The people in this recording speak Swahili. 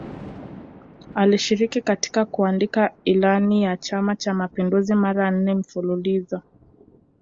Alishiriki katika kuandika Ilani ya Chama cha Mapinduzi mara nne mfululizo